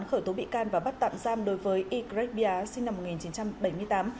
khởi tố bị can và bắt tạm giam đối với y gret bia sinh năm một nghìn chín trăm bảy mươi tám